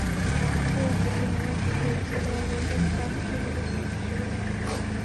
হিরন city mayor নির্বাচিত হওয়ায় বরিশালে শান্তির সুবাতাস বইতে শুরু করে।